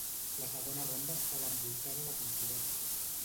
La segona ronda estava envoltada de controvèrsia.